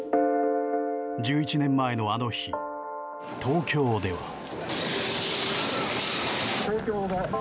１１年前のあの日、東京では。